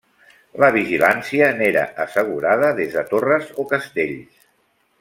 La vigilància n'era assegurada des de torres o castells.